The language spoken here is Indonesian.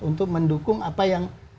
untuk mendukung apa yang